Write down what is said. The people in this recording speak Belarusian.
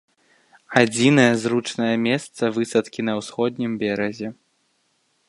Адзінае зручнае месца высадкі на ўсходнім беразе.